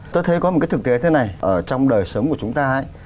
tôi thấy có một cái thực tế thế này trong đời sống của chúng ta ấy